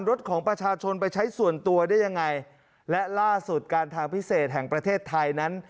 รถของประชาชนไปใช้ส่วนตัวได้ยังไงและล่าสุดการทางพิเศษแห่งประเทศไทยนั้น